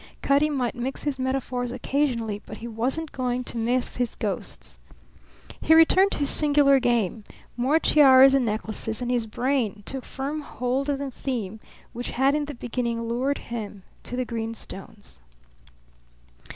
Cutty might mix his metaphors occasionally, but he wasn't going to mix his ghosts. He returned to his singular game. More tiaras and necklaces; and his brain took firm hold of the theme which had in the beginning lured him to the green stones.